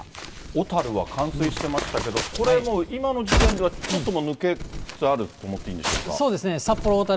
小樽は冠水してましたけど、これ、もう今の時点ではちょっともう抜けつつあると思っていいんでしょそうですね、札幌、小樽